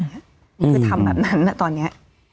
คือทำแบบนั้นนะตอนนี้